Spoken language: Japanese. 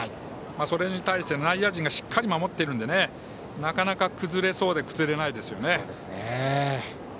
それに対して内野陣がしっかり守っているのでなかなか崩れそうで崩れないですね。